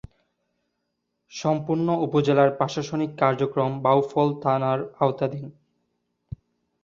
সম্পূর্ণ উপজেলার প্রশাসনিক কার্যক্রম বাউফল থানার আওতাধীন।